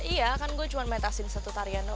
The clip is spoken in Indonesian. iya kan gue cuma main asin satu tarian doang